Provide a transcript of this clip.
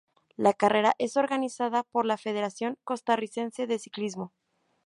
La carrera es organizada por la Federación Costarricense de Ciclismo.